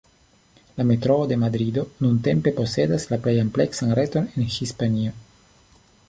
La Metroo de Madrido nuntempe posedas la plej ampleksan reton en Hispanio.